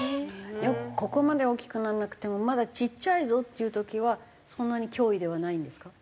ここまで大きくならなくてもまだちっちゃいぞっていう時はそんなに脅威ではないんですか？